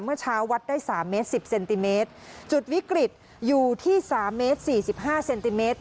เมื่อเช้าวัดได้สามเมตรสิบเซนติเมตรจุดวิกฤตอยู่ที่สามเมตรสี่สิบห้าเซนติเมตร